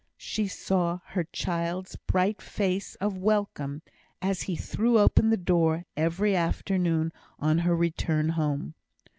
she saw her child's bright face of welcome as he threw open the door every afternoon on her return home.